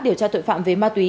điều tra tội phạm về ma túy